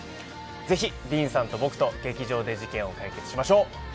ぜひ、ディーンさんと僕と劇場で事件を解決しましょう。